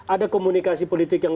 ada komunikasi politik yang